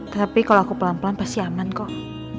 tapi kalau aku pelan pelan pasti aman kok